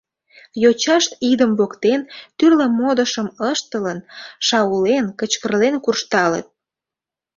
Йочашт идым воктен, тӱрлӧ модышым ыштылын, шаулен, кычкырлен куржталыт.